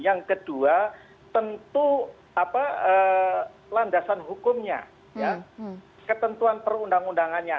yang kedua tentu landasan hukumnya ketentuan perundang undangannya